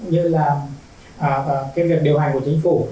như là việc điều hành của chính phủ